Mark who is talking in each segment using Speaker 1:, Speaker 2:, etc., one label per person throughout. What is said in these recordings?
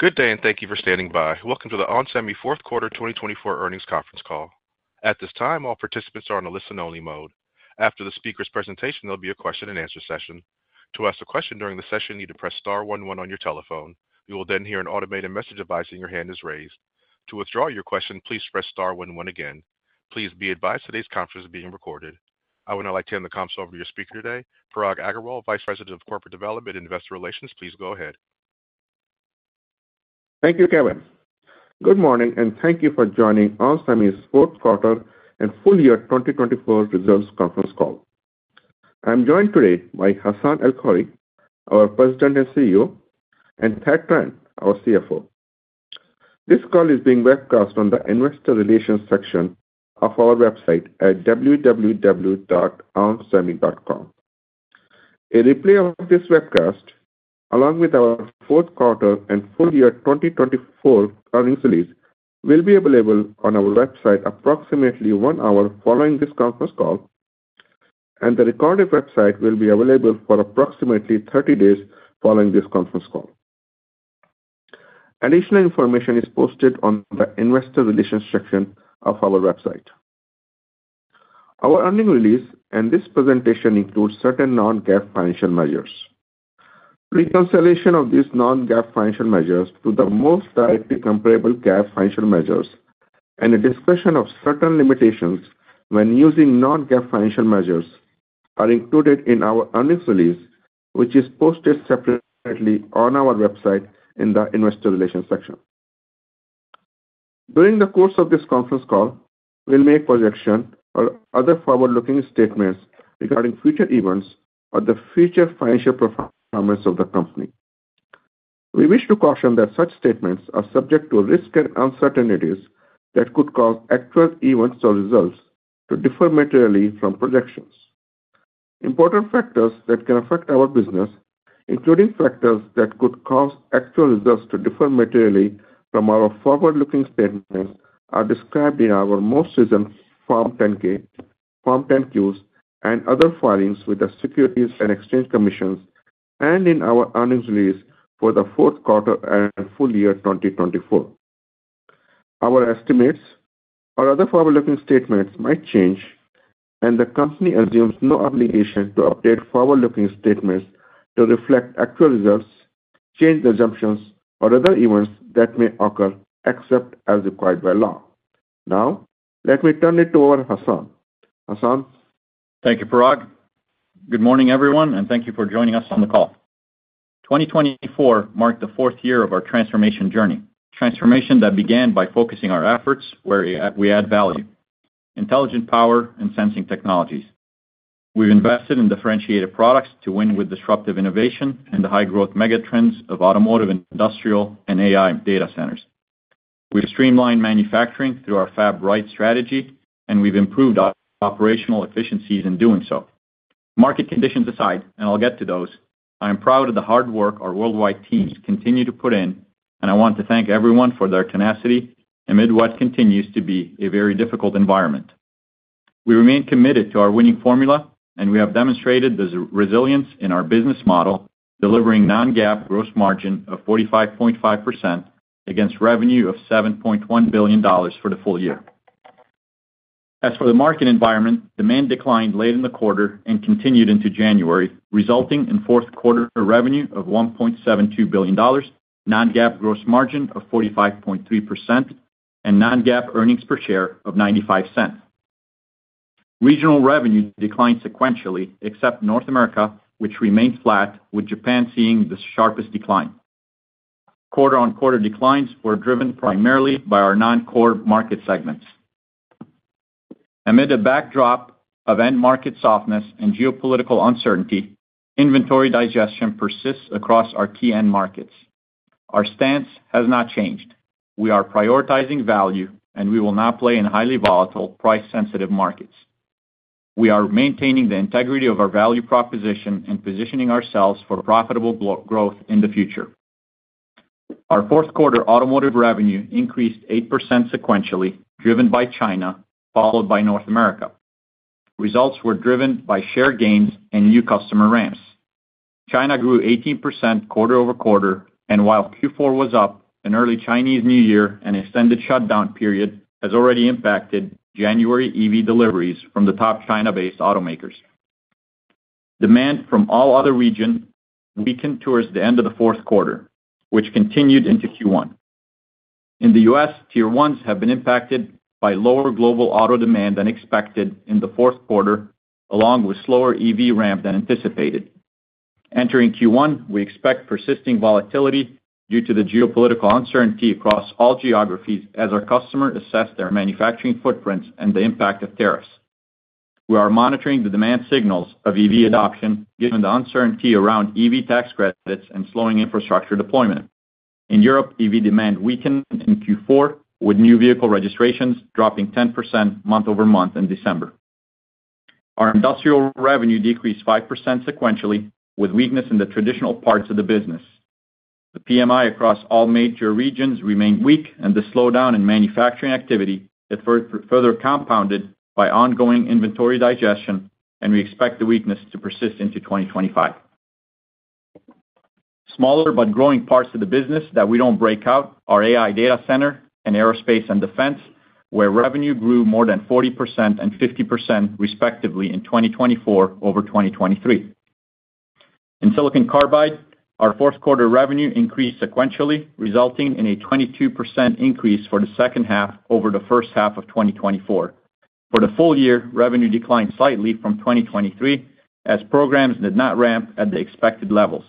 Speaker 1: Good day, and thank you for standing by. Welcome to the ON Semiconductor Fourth Quarter 2024 earnings conference call. At this time, all participants are on a listen-only mode. After the speaker's presentation, there'll be a question-and-answer session. To ask a question during the session, you need to press star 11 on your telephone. You will then hear an automated message advising your hand is raised. To withdraw your question, please press star 11 again. Please be advised today's conference is being recorded. I would now like to hand the call over to your speaker today, Parag Agarwal, Vice President of Corporate Development and Investor Relations. Please go ahead.
Speaker 2: Thank you, Kevin. Good morning, and thank you for joining ON Semiconductor Fourth Quarter and Full Year 2024 Results Conference Call. I'm joined today by Hassane El-Khoury, our President and CEO, and Thad Trent, our CFO. This call is being webcast on the Investor Relations section of our website at www.onsemi.com. A replay of this webcast, along with our Fourth Quarter and Full Year 2024 earnings release, will be available on our website approximately one hour following this conference call, and the recorded webcast will be available for approximately 30 days following this conference call. Additional information is posted on the Investor Relations section of our website. Our earnings release and this presentation include certain non-GAAP financial measures. Reconciliation of these non-GAAP financial measures to the most directly comparable GAAP financial measures and a discussion of certain limitations when using non-GAAP financial measures are included in our earnings release, which is posted separately on our website in the Investor Relations section. During the course of this conference call, we'll make projections or other forward-looking statements regarding future events or the future financial performance of the company. We wish to caution that such statements are subject to risk and uncertainties that could cause actual events or results to differ materially from projections. Important factors that can affect our business, including factors that could cause actual results to differ materially from our forward-looking statements, are described in our most recent Form 10-K, Form 10-Qs, and other filings with the Securities and Exchange Commission, and in our earnings release for the Fourth Quarter and Full Year 2024. Our estimates or other forward-looking statements might change, and the company assumes no obligation to update forward-looking statements to reflect actual results, change the assumptions, or other events that may occur except as required by law. Now, let me turn it over to Hassane. Hassane.
Speaker 3: Thank you, Parag. Good morning, everyone, and thank you for joining us on the call. 2024 marked the fourth year of our transformation journey, transformation that began by focusing our efforts where we add value: intelligent power and sensing technologies. We've invested in differentiated products to win with disruptive innovation and the high-growth megatrends of automotive, industrial, and AI data centers. We've streamlined manufacturing through our Fab Right strategy, and we've improved operational efficiencies in doing so. Market conditions aside, and I'll get to those, I am proud of the hard work our worldwide teams continue to put in, and I want to thank everyone for their tenacity amid what continues to be a very difficult environment. We remain committed to our winning formula, and we have demonstrated the resilience in our business model, delivering non-GAAP gross margin of 45.5% against revenue of $7.1 billion for the full year. As for the market environment, demand declined late in the quarter and continued into January, resulting in Fourth Quarter revenue of $1.72 billion, non-GAAP gross margin of 45.3%, and non-GAAP earnings per share of $0.95. Regional revenue declined sequentially, except North America, which remained flat, with Japan seeing the sharpest decline. quarter-on-quarter declines were driven primarily by our non-core market segments. Amid a backdrop of end-market softness and geopolitical uncertainty, inventory digestion persists across our key end markets. Our stance has not changed. We are prioritizing value, and we will not play in highly volatile, price-sensitive markets. We are maintaining the integrity of our value proposition and positioning ourselves for profitable growth in the future. Our Fourth Quarter automotive revenue increased 8% sequentially, driven by China, followed by North America. Results were driven by share gains and new customer ramps. China grew 18% quarter-over-quarter, and while Q4 was up, an early Chinese New Year and extended shutdown period has already impacted January EV deliveries from the top China-based automakers. Demand from all other regions weakened towards the end of the Fourth Quarter, which continued into Q1. In the U.S., Tier 1s have been impacted by lower global auto demand than expected in the Fourth Quarter, along with slower EV ramp than anticipated. Entering Q1, we expect persisting volatility due to the geopolitical uncertainty across all geographies as our customers assess their manufacturing footprints and the impact of tariffs. We are monitoring the demand signals of EV adoption given the uncertainty around EV tax credits and slowing infrastructure deployment. In Europe, EV demand weakened in Q4, with new vehicle registrations dropping 10% month over month in December. Our industrial revenue decreased 5% sequentially, with weakness in the traditional parts of the business. The PMI across all major regions remained weak, and the slowdown in manufacturing activity is further compounded by ongoing inventory digestion, and we expect the weakness to persist into 2025. Smaller but growing parts of the business that we don't break out are AI data center and aerospace and defense, where revenue grew more than 40% and 50% respectively in 2024 over 2023. In silicon carbide, our Fourth Quarter revenue increased sequentially, resulting in a 22% increase for the second half over the first half of 2024. For the full year, revenue declined slightly from 2023 as programs did not ramp at the expected levels.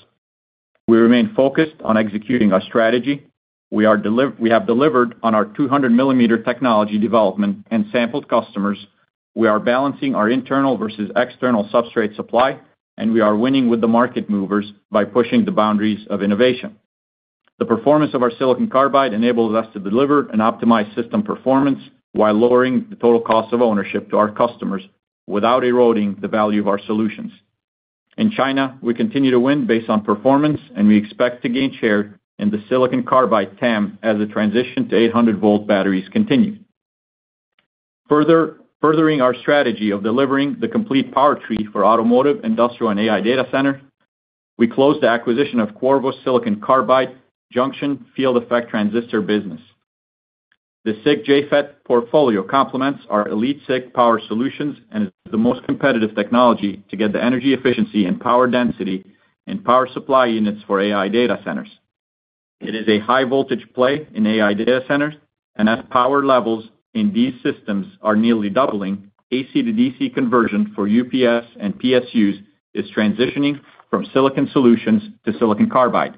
Speaker 3: We remain focused on executing our strategy. We have delivered on our 200-millimeter technology development and sampled customers. We are balancing our internal versus external substrate supply, and we are winning with the market movers by pushing the boundaries of innovation. The performance of our silicon carbide enables us to deliver and optimize system performance while lowering the total cost of ownership to our customers without eroding the value of our solutions. In China, we continue to win based on performance, and we expect to gain share in the silicon carbide TAM as the transition to 800-volt batteries continues. Furthering our strategy of delivering the complete power tree for automotive, industrial, and AI data center, we closed the acquisition of Qorvo silicon carbide junction field effect transistor business. The SiC JFET portfolio complements our EliteSiC power solutions and is the most competitive technology to get the energy efficiency and power density in power supply units for AI data centers. It is a high-voltage play in AI data centers, and as power levels in these systems are nearly doubling, AC to DC conversion for UPS and PSUs is transitioning from silicon solutions to silicon carbide.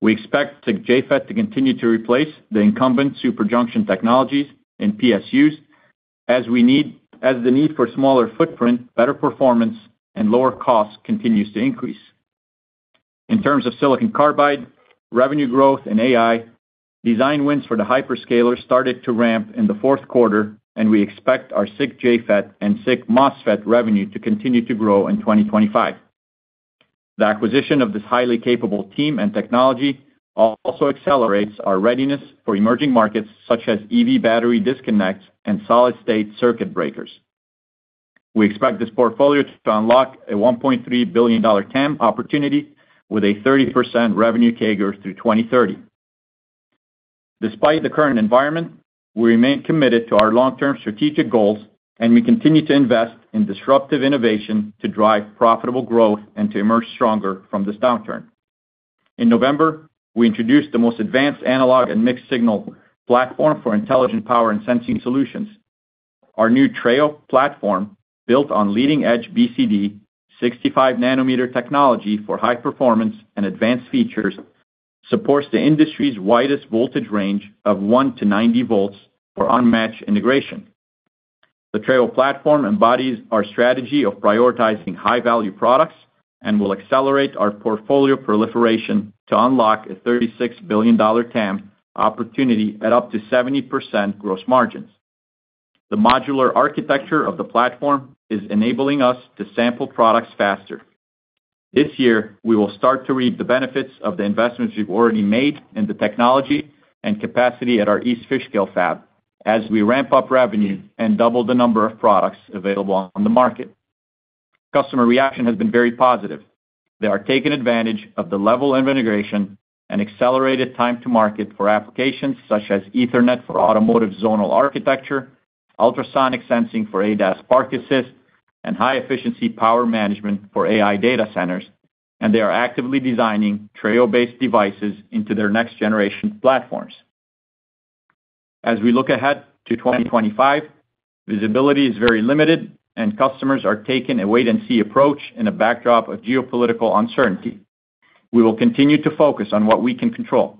Speaker 3: We expect SiC JFET to continue to replace the incumbent superjunction technologies in PSUs as the need for smaller footprint, better performance, and lower costs continues to increase. In terms of silicon carbide, revenue growth and AI design wins for the hyperscalers started to ramp in the Fourth Quarter, and we expect our SiC JFET and SiC MOSFET revenue to continue to grow in 2025. The acquisition of this highly capable team and technology also accelerates our readiness for emerging markets such as EV battery disconnects and solid-state circuit breakers. We expect this portfolio to unlock a $1.3 billion TAM opportunity with a 30% revenue CAGR through 2030. Despite the current environment, we remain committed to our long-term strategic goals, and we continue to invest in disruptive innovation to drive profitable growth and to emerge stronger from this downturn. In November, we introduced the most advanced analog and mixed-signal platform for intelligent power and sensing solutions. Our new Treo platform, built on leading-edge BCD 65-nanometer technology for high performance and advanced features, supports the industry's widest voltage range of one to 90 volts for unmatched integration. The Treo platform embodies our strategy of prioritizing high-value products and will accelerate our portfolio proliferation to unlock a $36 billion TAM opportunity at up to 70% gross margins. The modular architecture of the platform is enabling us to sample products faster. This year, we will start to reap the benefits of the investments we've already made in the technology and capacity at our East Fishkill Fab as we ramp up revenue and double the number of products available on the market. Customer reaction has been very positive. They are taking advantage of the level of integration and accelerated time-to-market for applications such as Ethernet for automotive zonal architecture, ultrasonic sensing for ADAS Park Assist, and high-efficiency power management for AI data centers, and they are actively designing Treo-based devices into their next-generation platforms. As we look ahead to 2025, visibility is very limited, and customers are taking a wait-and-see approach in a backdrop of geopolitical uncertainty. We will continue to focus on what we can control.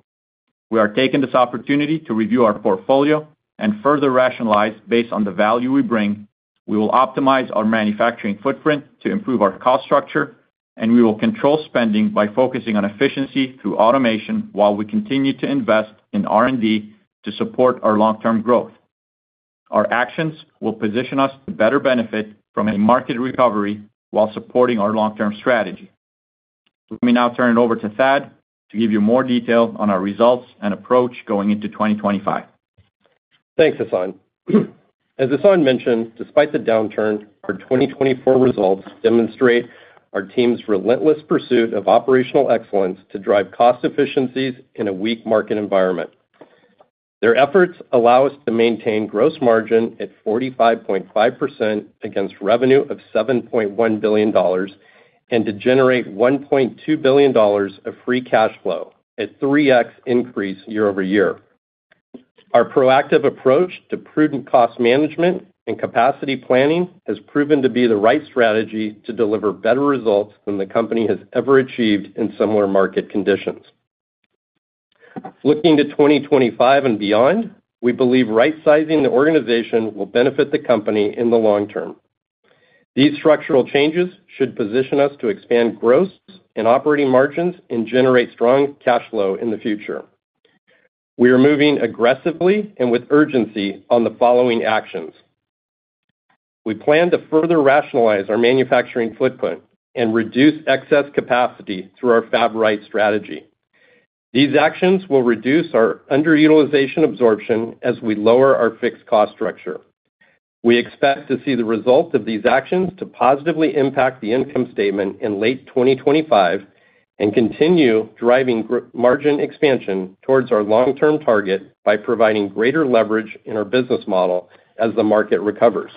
Speaker 3: We are taking this opportunity to review our portfolio and further rationalize based on the value we bring. We will optimize our manufacturing footprint to improve our cost structure, and we will control spending by focusing on efficiency through automation while we continue to invest in R&D to support our long-term growth. Our actions will position us to better benefit from a market recovery while supporting our long-term strategy. Let me now turn it over to Thad to give you more detail on our results and approach going into 2025.
Speaker 4: Thanks, Hassane. As Hassane mentioned, despite the downturn, our 2024 results demonstrate our team's relentless pursuit of operational excellence to drive cost efficiencies in a weak market environment. Their efforts allow us to maintain gross margin at 45.5% against revenue of $7.1 billion and to generate $1.2 billion of free cash flow, a 3x increase year over year. Our proactive approach to prudent cost management and capacity planning has proven to be the right strategy to deliver better results than the company has ever achieved in similar market conditions. Looking to 2025 and beyond, we believe right-sizing the organization will benefit the company in the long term. These structural changes should position us to expand gross and operating margins and generate strong cash flow in the future. We are moving aggressively and with urgency on the following actions. We plan to further rationalize our manufacturing footprint and reduce excess capacity through our Fab Right strategy. These actions will reduce our underutilization absorption as we lower our fixed cost structure. We expect to see the result of these actions to positively impact the income statement in late 2025 and continue driving margin expansion towards our long-term target by providing greater leverage in our business model as the market recovers.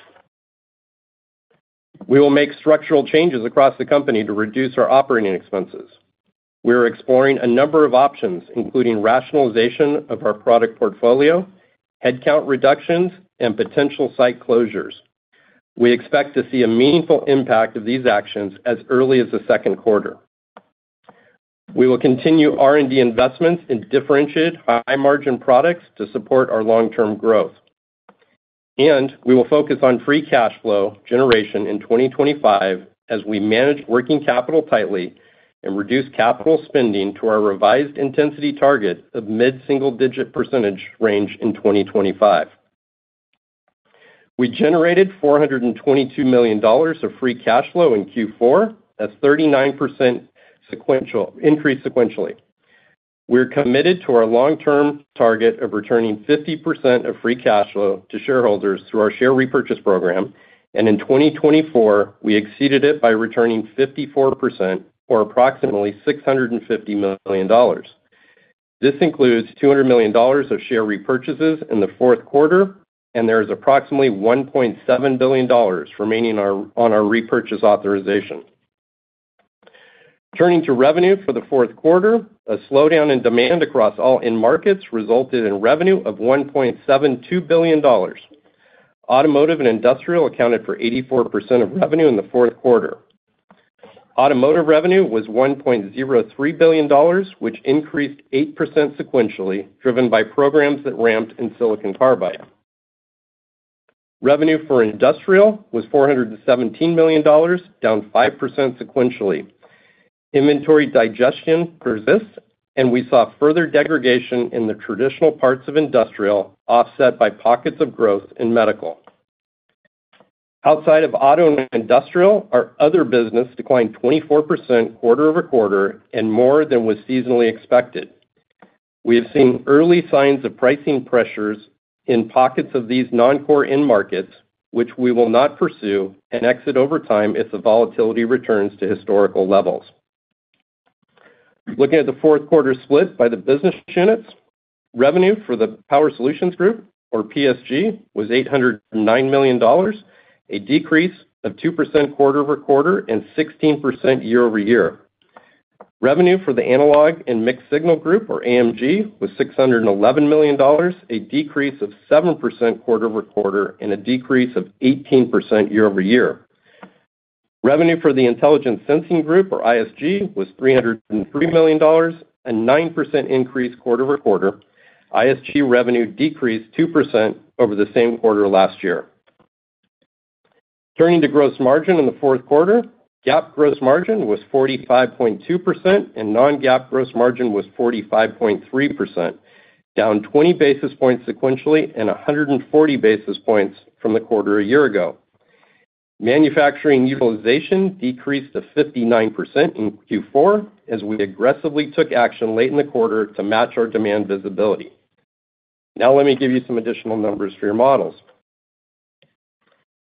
Speaker 4: We will make structural changes across the company to reduce our operating expenses. We are exploring a number of options, including rationalization of our product portfolio, headcount reductions, and potential site closures. We expect to see a meaningful impact of these actions as early as the second quarter. We will continue R&D investments in differentiated high-margin products to support our long-term growth. We will focus on free cash flow generation in 2025 as we manage working capital tightly and reduce capital spending to our revised intensity target of mid-single-digit percentage range in 2025. We generated $422 million of free cash flow in Q4, a 39% increase sequentially. We are committed to our long-term target of returning 50% of free cash flow to shareholders through our share repurchase program, and in 2024, we exceeded it by returning 54% or approximately $650 million. This includes $200 million of share repurchases in Q4, and there is approximately $1.7 billion remaining on our repurchase authorization. Turning to revenue for Q4, a slowdown in demand across all end markets resulted in revenue of $1.72 billion. Automotive and industrial accounted for 84% of revenue in Q4. Automotive revenue was $1.03 billion, which increased 8% sequentially, driven by programs that ramped in silicon carbide. Revenue for industrial was $417 million, down 5% sequentially. Inventory digestion persists, and we saw further degradation in the traditional parts of industrial, offset by pockets of growth in medical. Outside of auto and industrial, our other business declined 24% quarter-over-quarter and more than was seasonally expected. We have seen early signs of pricing pressures in pockets of these non-core end markets, which we will not pursue and exit over time if the volatility returns to historical levels. Looking at the Fourth Quarter split by the business units, revenue for the Power Solutions Group, or PSG, was $809 million, a decrease of 2% quarter-over-quarter and 16% year over year. Revenue for the Analog and Mixed Signal Group, or AMG, was $611 million, a decrease of 7% quarter-over-quarter and a decrease of 18% year over year. Revenue for the Intelligent Sensing Group, or ISG, was $303 million, a 9% increase quarter-over-quarter. ISG revenue decreased 2% over the same quarter last year. Turning to gross margin in Q4, GAAP gross margin was 45.2%, and non-GAAP gross margin was 45.3%, down 20 basis points sequentially and 140 basis points from the quarter a year ago. Manufacturing utilization decreased to 59% in Q4 as we aggressively took action late in the quarter to match our demand visibility. Now let me give you some additional numbers for your models.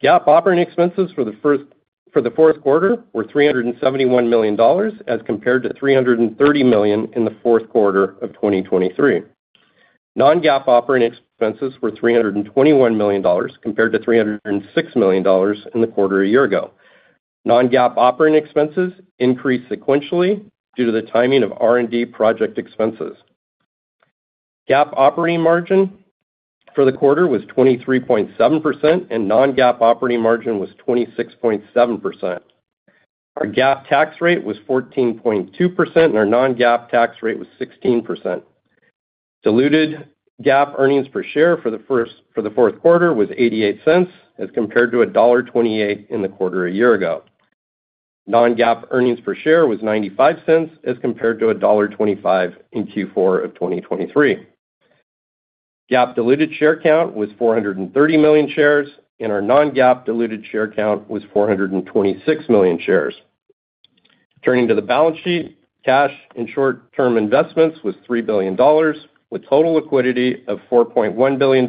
Speaker 4: GAAP operating expenses for Q4 were $371 million as compared to $330 million in Q4 of 2023. Non-GAAP operating expenses were $321 million compared to $306 million in the quarter a year ago. Non-GAAP operating expenses increased sequentially due to the timing of R&D project expenses. GAAP operating margin for the quarter was 23.7%, and non-GAAP operating margin was 26.7%. Our GAAP tax rate was 14.2%, and our non-GAAP tax rate was 16%. Diluted GAAP earnings per share for Q4 was $0.88 as compared to $1.28 in the quarter a year ago. Non-GAAP earnings per share was $0.95 as compared to $1.25 in Q4 of 2023. GAAP diluted share count was 430 million shares, and our non-GAAP diluted share count was 426 million shares. Turning to the balance sheet, cash in short-term investments was $3 billion, with total liquidity of $4.1 billion,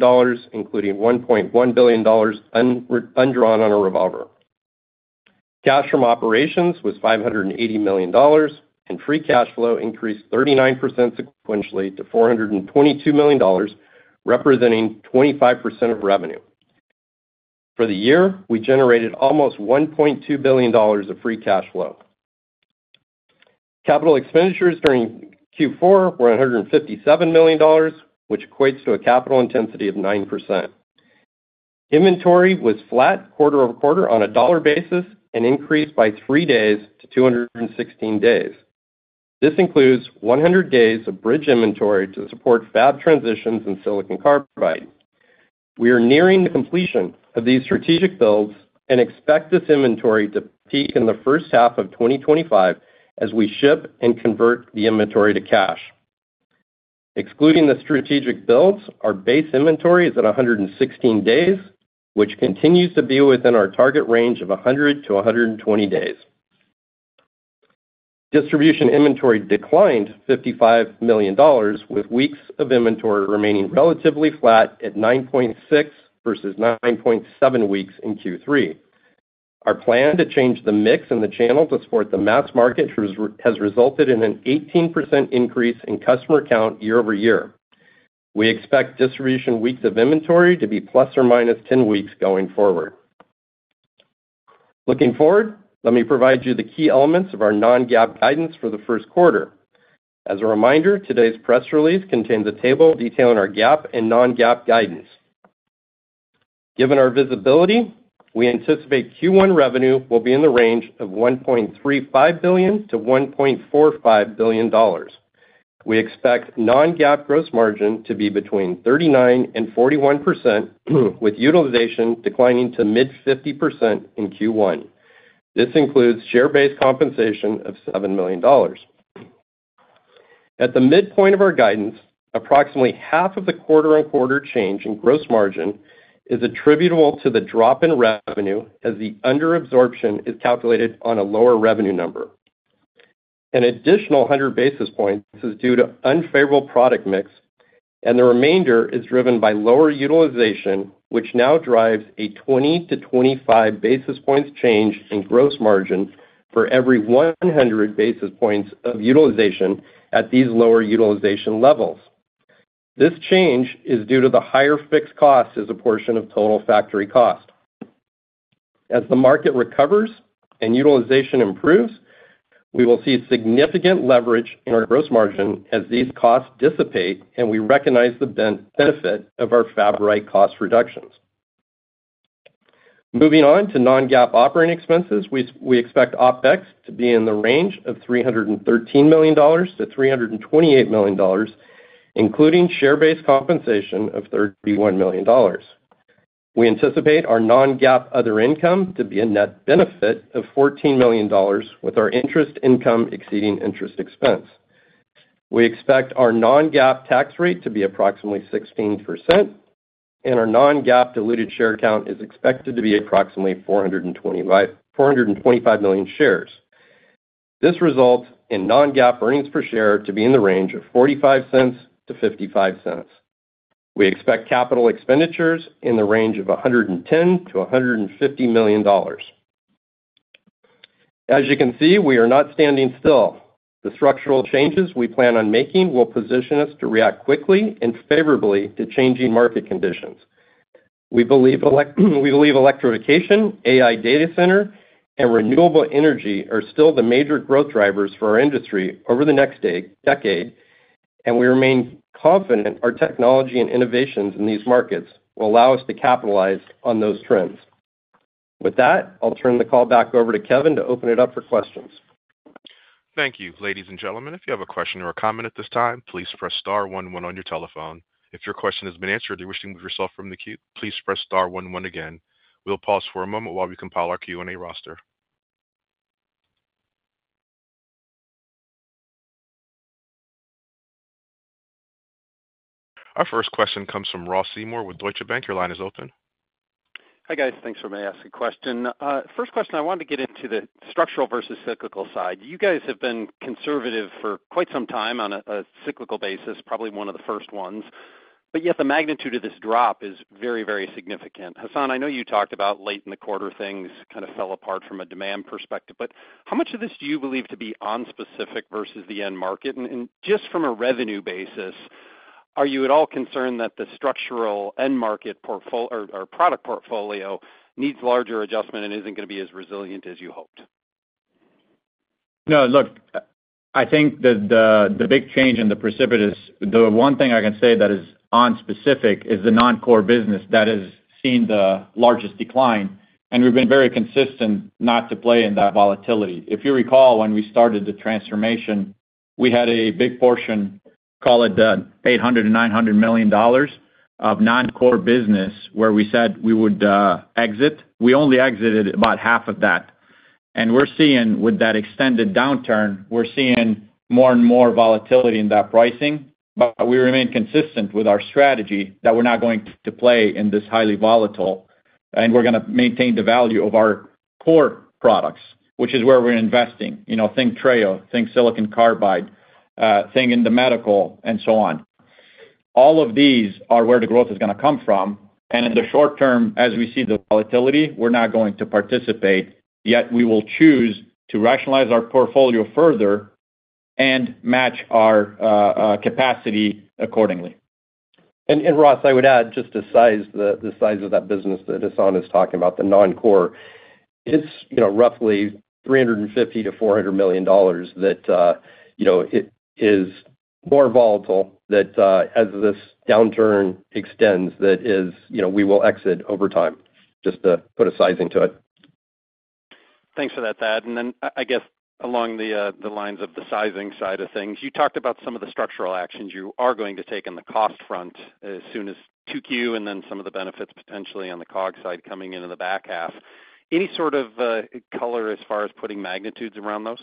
Speaker 4: including $1.1 billion undrawn on a revolver. Cash from operations was $580 million, and free cash flow increased 39% sequentially to $422 million, representing 25% of revenue. For the year, we generated almost $1.2 billion of free cash flow. Capital expenditures during Q4 were $157 million, which equates to a capital intensity of 9%. Inventory was flat quarter-over-quarter on a dollar basis and increased by three days to 216 days. This includes 100 days of bridge inventory to support fab transitions in silicon carbide. We are nearing the completion of these strategic builds and expect this inventory to peak in the first half of 2025 as we ship and convert the inventory to cash. Excluding the strategic builds, our base inventory is at 116 days, which continues to be within our target range of 100 to 120 days. Distribution inventory declined $55 million, with weeks of inventory remaining relatively flat at 9.6 versus 9.7 weeks in Q3. Our plan to change the mix in the channel to support the mass market has resulted in an 18% increase in customer count year over year. We expect distribution weeks of inventory to be plus or minus 10 weeks going forward. Looking forward, let me provide you the key elements of our non-GAAP guidance for the First Quarter. As a reminder, today's press release contains a table detailing our GAAP and non-GAAP guidance. Given our visibility, we anticipate Q1 revenue will be in the range of $1.35 billion-$1.45 billion. We expect non-GAAP gross margin to be between 39% and 41%, with utilization declining to mid-50% in Q1. This includes share-based compensation of $7 million. At the midpoint of our guidance, approximately half of the quarter-on-quarter change in gross margin is attributable to the drop in revenue as the underabsorption is calculated on a lower revenue number. An additional 100 basis points is due to unfavorable product mix, and the remainder is driven by lower utilization, which now drives a 20-25 basis points change in gross margin for every 100 basis points of utilization at these lower utilization levels. This change is due to the higher fixed cost as a portion of total factory cost. As the market recovers and utilization improves, we will see significant leverage in our gross margin as these costs dissipate, and we recognize the benefit of our Fab Right cost reductions. Moving on to non-GAAP operating expenses, we expect OPEX to be in the range of $313 million-$328 million, including share-based compensation of $31 million. We anticipate our non-GAAP other income to be a net benefit of $14 million, with our interest income exceeding interest expense. We expect our non-GAAP tax rate to be approximately 16%, and our non-GAAP diluted share count is expected to be approximately 425 million shares. This results in non-GAAP earnings per share to be in the range of $0.45-$0.55. We expect capital expenditures in the range of $110 million-$150 million. As you can see, we are not standing still. The structural changes we plan on making will position us to react quickly and favorably to changing market conditions. We believe electrification, AI data center, and renewable energy are still the major growth drivers for our industry over the next decade, and we remain confident our technology and innovations in these markets will allow us to capitalize on those trends. With that, I'll turn the call back over to Kevin to open it up for questions.
Speaker 1: Thank you, ladies and gentlemen. If you have a question or a comment at this time, please press star 1 when on your telephone. If your question has been answered or you wish to move yourself from the queue, please press star 1 again. We'll pause for a moment while we compile our Q&A roster. Our first question comes from Ross Seymour with Deutsche Bank. Your line is open.
Speaker 5: Hi, guys. Thanks for asking the question. First question, I wanted to get into the structural versus cyclical side. You guys have been conservative for quite some time on a cyclical basis, probably one of the first ones, but yet the magnitude of this drop is very, very significant. Hassane, I know you talked about late in the quarter things kind of fell apart from a demand perspective, but how much of this do you believe to be ON-specific versus the end market, and just from a revenue basis, are you at all concerned that the structural end market or product portfolio needs larger adjustment and isn't going to be as resilient as you hoped?
Speaker 3: No, look, I think the big change and the precipitous, the one thing I can say that is ON-specific is the non-core business that has seen the largest decline, and we've been very consistent not to play in that volatility. If you recall when we started the transformation, we had a big portion, call it $800-$900 million of non-core business where we said we would exit. We only exited about half of that. And we're seeing, with that extended downturn, we're seeing more and more volatility in that pricing, but we remain consistent with our strategy that we're not going to play in this highly volatile, and we're going to maintain the value of our core products, which is where we're investing. You know, think Treo, think silicon carbide, think in the medical, and so on. All of these are where the growth is going to come from, and in the short term, as we see the volatility, we're not going to participate, yet we will choose to rationalize our portfolio further and match our capacity accordingly.
Speaker 4: Ross, I would add just the size of that business that Hassane is talking about, the non-core. It's roughly $350 million-$400 million that is more volatile that, as this downturn extends, that we will exit over time, just to put a sizing to it.
Speaker 5: Thanks for that, Thad. And then I guess along the lines of the sizing side of things, you talked about some of the structural actions you are going to take on the cost front as soon as Q2 and then some of the benefits potentially on the COGS side coming into the back half. Any sort of color as far as putting magnitudes around those?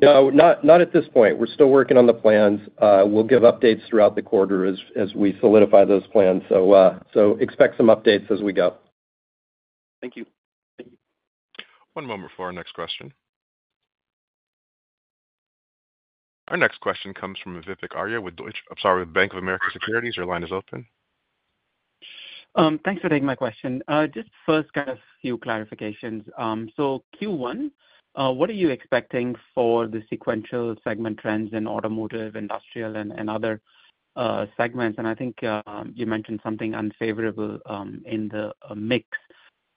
Speaker 4: No, not at this point. We're still working on the plans. We'll give updates throughout the quarter as we solidify those plans, so expect some updates as we go.
Speaker 5: Thank you. One moment before our next question. Our next question comes from Vivek Arya with Deutsche, I'm sorry, with Bank of America Securities. Your line is open.
Speaker 6: Thanks for taking my question. Just first, kind of a few clarifications. So Q1, what are you expecting for the sequential segment trends in automotive, industrial, and other segments? And I think you mentioned something unfavorable in the mix.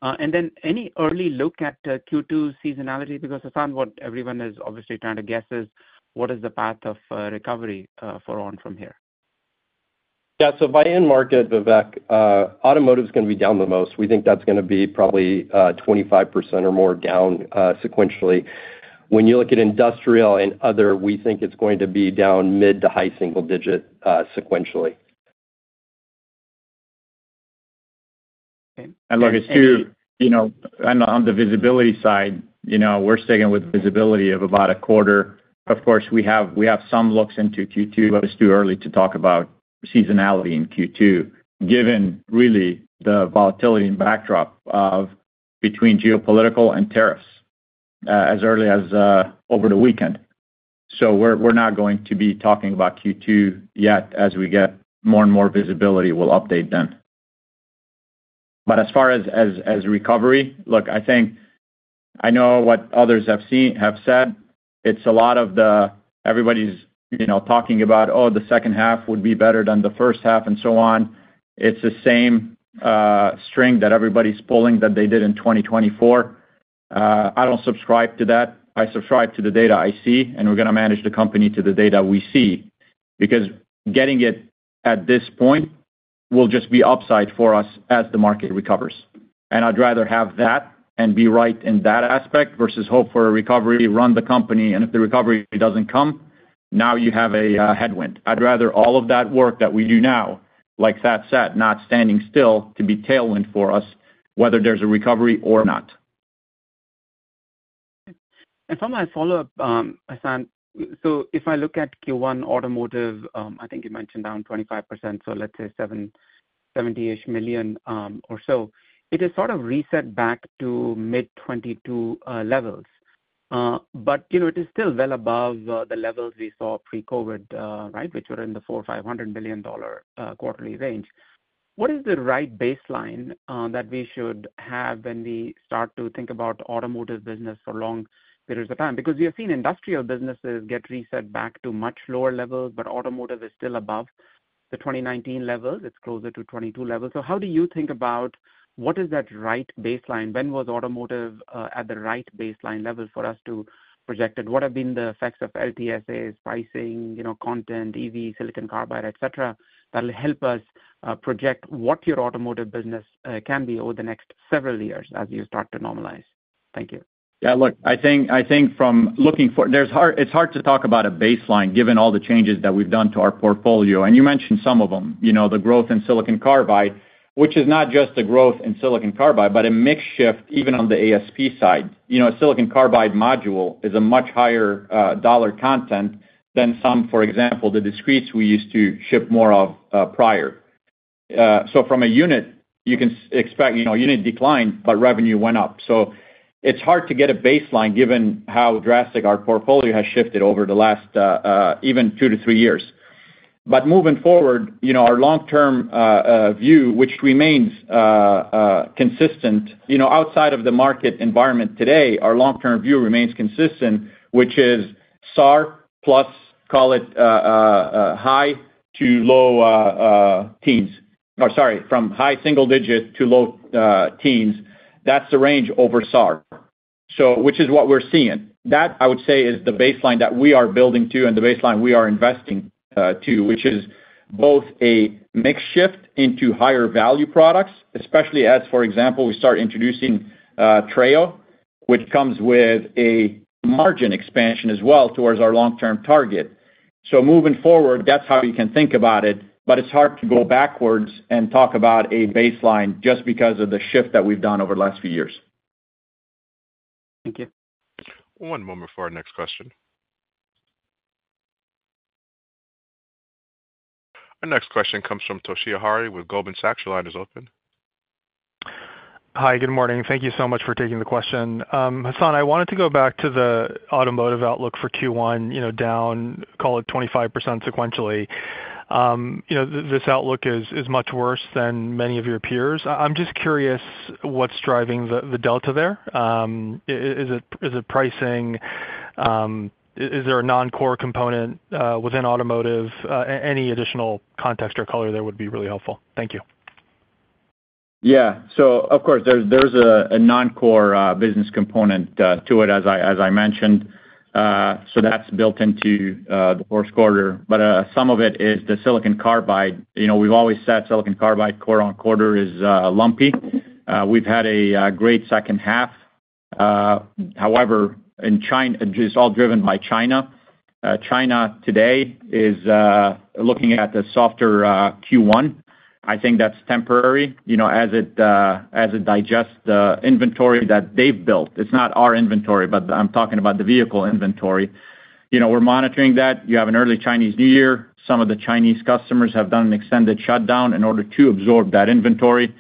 Speaker 6: And then any early look at Q2 seasonality? Because Hassane, what everyone is obviously trying to guess is, what is the path of recovery for ON from here?
Speaker 3: Yeah, so by end market, Vivek, automotive is going to be down the most. We think that's going to be probably 25% or more down sequentially. When you look at industrial and other, we think it's going to be down mid to high single digit sequentially. And look, it's too, you know, on the visibility side, you know, we're sticking with visibility of about a quarter. Of course, we have some looks into Q2, but it's too early to talk about seasonality in Q2 given really the volatility and backdrop between geopolitical and tariffs as early as over the weekend. So we're not going to be talking about Q2 yet. As we get more and more visibility, we'll update then. But as far as recovery, look, I think I know what others have said. It's a lot of the, everybody's talking about, "Oh, the second half would be better than the first half," and so on. It's the same string that everybody's pulling that they did in 2024. I don't subscribe to that. I subscribe to the data I see, and we're going to manage the company to the data we see because getting it at this point will just be upside for us as the market recovers. And I'd rather have that and be right in that aspect versus hope for a recovery, run the company, and if the recovery doesn't come, now you have a headwind. I'd rather all of that work that we do now, like Thad said, not standing still, to be tailwind for us, whether there's a recovery or not.
Speaker 6: If I might follow up, Hassane, so if I look at Q1 automotive, I think you mentioned down 25%, so let's say $70 million-ish or so, it has sort of reset back to mid-22 levels. But it is still well above the levels we saw pre-COVID, right, which were in the $400 million-$500 million quarterly range. What is the right baseline that we should have when we start to think about automotive business for long periods of time? Because we have seen industrial businesses get reset back to much lower levels, but automotive is still above the 2019 levels. It's closer to 22 levels. So how do you think about what is that right baseline? When was automotive at the right baseline level for us to project it? What have been the effects of LTSAs, pricing, content, EV, silicon carbide, et cetera, that will help us project what your automotive business can be over the next several years as you start to normalize? Thank you.
Speaker 3: Yeah, look, I think from looking for, it's hard to talk about a baseline given all the changes that we've done to our portfolio, and you mentioned some of them, you know, the growth in silicon carbide, which is not just the growth in silicon carbide, but a mix shift even on the ASP side. You know, a silicon carbide module is a much higher dollar content than some, for example, the discretes we used to ship more of prior, so from a unit, you can expect unit decline, but revenue went up, so it's hard to get a baseline given how drastic our portfolio has shifted over the last even two to three years. But moving forward, you know, our long-term view, which remains consistent, you know, outside of the market environment today, our long-term view remains consistent, which is SAAR plus, call it high to low teens, or sorry, from high single digit to low teens. That's the range over SAAR, which is what we're seeing. That, I would say, is the baseline that we are building to and the baseline we are investing to, which is both a mix shift into higher value products, especially as, for example, we start introducing Treo, which comes with a margin expansion as well towards our long-term target. So moving forward, that's how you can think about it, but it's hard to go backwards and talk about a baseline just because of the shift that we've done over the last few years.
Speaker 6: Thank you.
Speaker 1: One moment for our next question. Our next question comes from Toshiya Hari with Goldman Sachs. Your line is open.
Speaker 7: Hi, good morning. Thank you so much for taking the question. Hassane, I wanted to go back to the automotive outlook for Q1, you know, down, call it 25% sequentially. You know, this outlook is much worse than many of your peers. I'm just curious what's driving the delta there. Is it pricing? Is there a non-core component within automotive? Any additional context or color there would be really helpful. Thank you.
Speaker 3: Yeah, so of course, there's a non-core business component to it, as I mentioned. So that's built into the fourth quarter. But some of it is the silicon carbide. You know, we've always said silicon carbide quarter-on-quarter is lumpy. We've had a great second half. However, in China, it's all driven by China. China today is looking at a softer Q1. I think that's temporary, you know, as it digests the inventory that they've built. It's not our inventory, but I'm talking about the vehicle inventory. You know, we're monitoring that. You have an early Chinese New Year. Some of the Chinese customers have done an extended shutdown in order to absorb that inventory.